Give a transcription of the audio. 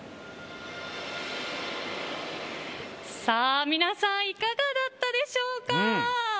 さあ、皆さんいかがだったでしょうか。